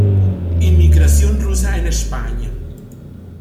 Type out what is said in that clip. Inmigración rusa en España